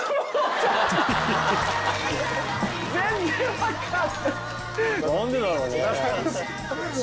全然分かんない。